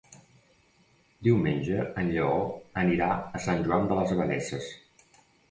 Diumenge en Lleó anirà a Sant Joan de les Abadesses.